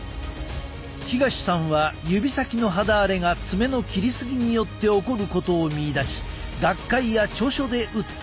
東さんは指先の肌荒れが爪の切り過ぎによって起こることを見いだし学会や著書で訴えてきた。